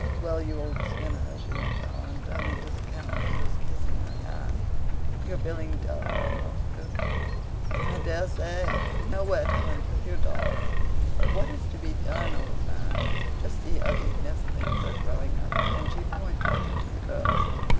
"Well, you old sinner," she went on, turning to the count who was kissing her hand, "you're feeling dull in Moscow, I daresay? Nowhere to hunt with your dogs? But what is to be done, old man? Just see how these nestlings are growing up," and she pointed to the girls.